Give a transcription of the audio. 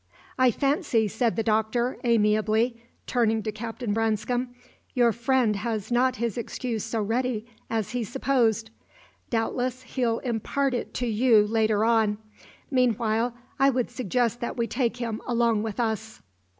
"I fancy," said the Doctor, amiably, turning to Captain Branscome, "your friend has not his excuse so ready as he supposed. Doubtless he'll impart it to you later on. Meanwhile, I would suggest that we take him along with us."